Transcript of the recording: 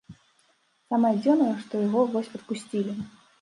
Самае дзіўнае, што яго вось адпусцілі!